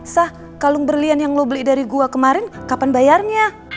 sah kalung berlian yang lo beli dari gua kemarin kapan bayarnya